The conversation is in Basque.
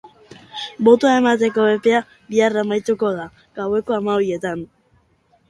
Botoa emateko epea bihar amaituko da, gaueko hamabietan.